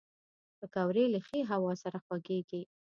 پکورې له ښې هوا سره خوږېږي